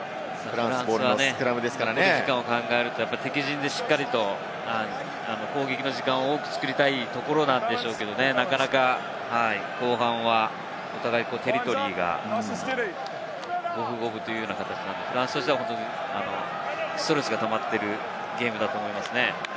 フランスは残り時間を考えると敵陣でしっかり攻撃の時間を多く作りたいところですけれどもね、なかなか後半はお互いテリトリーが五分五分というような形でフランスとしてはストレスが溜まっているゲームだと思いますね。